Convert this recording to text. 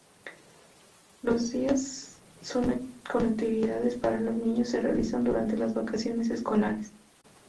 Los días con actividades para los niños se realizan durantes las vacaciones escolares.